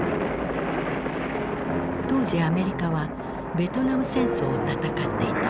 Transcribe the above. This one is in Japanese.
当時アメリカはベトナム戦争を戦っていた。